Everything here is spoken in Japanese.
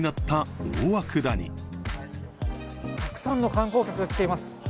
たくさんの観光客が来ています。